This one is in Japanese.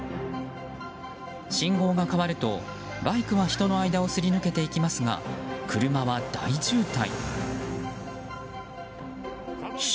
信号が変わると、バイクは人の間をすり抜けていきますが車は大渋滞。